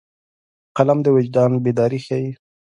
قلم د وجدان بیداري ښيي